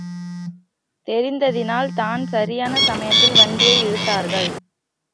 தெரிந்ததினால் தான் சரியான சமயத்தில் வண்டியை இழுத்தார்கள்.